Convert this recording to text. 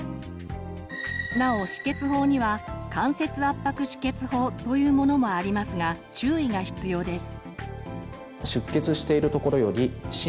なお止血法には間接圧迫止血法というものもありますが注意が必要です。